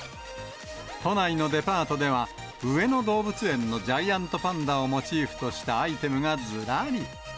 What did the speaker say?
都内のデパートでは、上野動物園のジャイアントパンダをモチーフとしたアイテムがずらり。